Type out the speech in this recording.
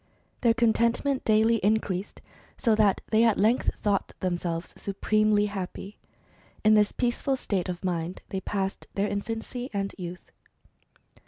Their contentment daily increased, so that they at length thought themselves supremely happy. In this peaceful state of mind they passed their infancy and youth.